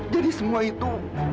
jadi semua itu